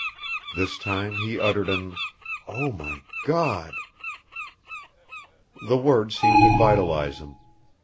This time he uttered an "Oh, my God!" The words seemed to vitalize him.